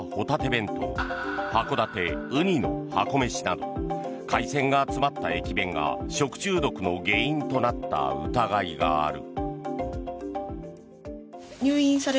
弁当函館うにの箱めしなど海鮮が詰まった駅弁が食中毒の原因となった疑いがある。